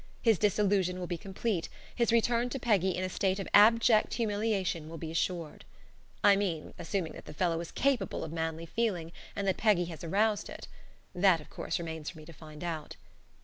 His disillusion will be complete; his return to Peggy in a state of abject humiliation will be assured. I mean, assuming that the fellow is capable of manly feeling, and that Peggy has aroused it. That, of course, remains for me to find out.